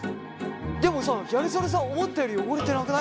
でもさギャル曽根さん思ったより汚れてなくないですか？